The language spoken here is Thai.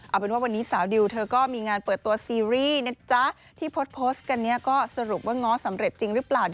เอาเป็นว่าวันนี้สาวดิวเธอก็มีงานเปิดตัวซีรีส์นะจ๊ะที่โพสต์กันเนี่ยก็สรุปว่าง้อสำเร็จจริงหรือเปล่า